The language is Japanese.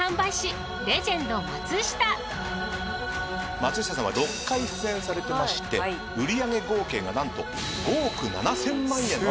松下さんは６回出演されてまして売り上げ合計が何と５億７，０００万円。